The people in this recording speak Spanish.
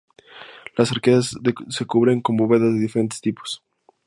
Las arcadas se cubren con bóvedas de diferentes tipos.